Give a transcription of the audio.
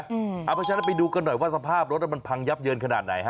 เพราะฉะนั้นไปดูกันหน่อยว่าสภาพรถมันพังยับเยินขนาดไหนฮะ